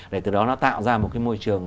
để từ đó nó tạo ra một cái môi trường